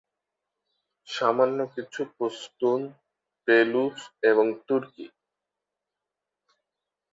সামান্য কিছু পশতুন, বেলুচ এবং তুর্কী।